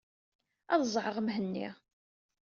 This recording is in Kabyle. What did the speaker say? Ad ẓẓɛeɣ Mhenni.